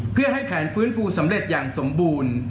เพื่อให้แผนฟื้นฟูสำเร็จอย่างสมบูรณ์